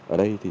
ở đây thì